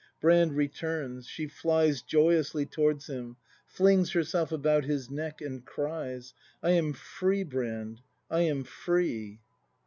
Brand returns; she flies joyously toivards him, flings herself about his neck, and cries.] I am free, Brand, I am free!